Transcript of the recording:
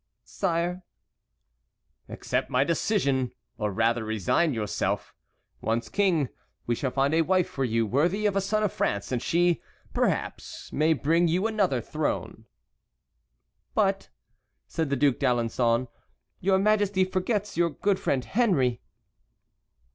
"Sire"— "Accept my decision, or rather, resign yourself. Once king, we shall find a wife for you worthy of a son of France, and she, perhaps, may bring you another throne." "But," said the Duc d'Alençon, "your Majesty forgets your good friend Henry."